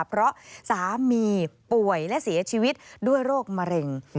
เพราะสามีป่วยและเสียชีวิตด้วยโรคมะเร็ง